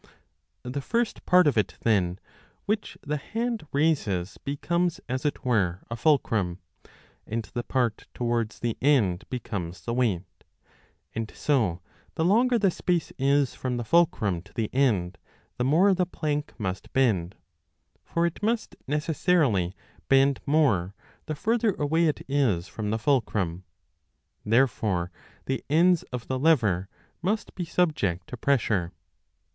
The first part of it, then, 10 \\hich the hand raises becomes as it were, a fulcrum, and the part towards the end becomes the weight ; and so the longer the space is from the fulcrum to the end, the more the plank must bend ; for it must necessarily bend more the further away it is from the fulcrum. Therefore 15 the ends of the lever must be subject to pressure.